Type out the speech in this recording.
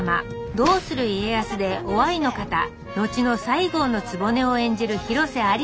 「どうする家康」で於愛の方後の西郷局を演じる広瀬アリスさん